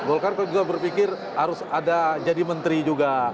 golkar juga berpikir harus ada jadi menteri juga